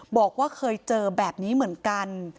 บอกว่าเคยเจอแบบนี้เหมือนกัน